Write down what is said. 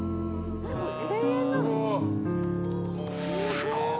すごい。